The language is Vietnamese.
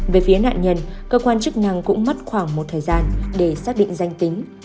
về phía nạn nhân cơ quan chức năng cũng mất khoảng một thời gian để xác định danh tính